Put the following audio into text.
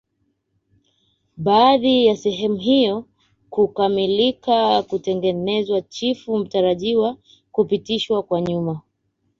Baada ya sehemu hiyo kukamilika kutengenezwa chifu mtarajiwa hupitishwa kwa nyuma